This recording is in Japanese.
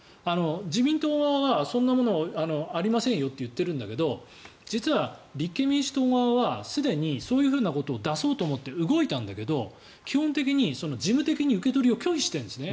自民党側はそんなものありませんよと言っているんだけど実は立憲民主党側はすでにそういうことを出そうと思って動いたんだけど基本的に事務的に受け取りを拒否してるんですね。